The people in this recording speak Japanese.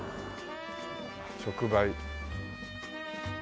直売。